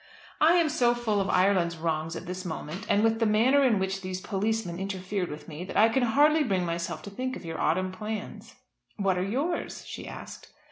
"I am so full of Ireland's wrongs at this moment, and with the manner in which these policemen interfered with me, that I can hardly bring myself to think of your autumn plans." "What are yours?" she asked.